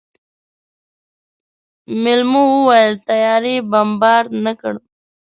مېلمو وويل طيارې بمبارد نه کړ.